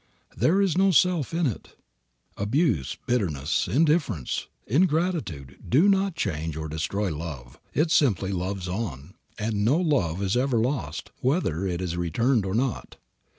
There is no self in it. Abuse, bitterness, indifference, ingratitude do not change or destroy love. It simply loves on. And no love is ever lost, whether it is returned or not.